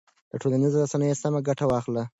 له ټولنیزو رسنیو سمه ګټه واخلئ.